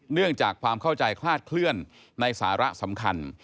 เนื่องจากความเข้าใจคลาดเคลื่อนในสาระสำคัญ